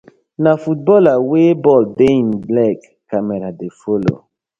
Na footballer wey ball dey im leg camera dey follow.